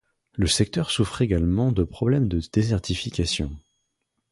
Le secteur souffre également de problèmes de désertification.